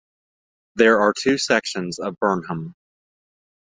There are two sections of Burnham.